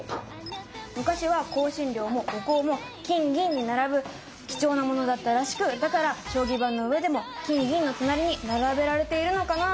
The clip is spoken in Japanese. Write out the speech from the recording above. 昔は香辛料もお香も金銀に並ぶ貴重なものだったらしくだから将棋盤の上でも金銀の隣に並べられているのかなあ？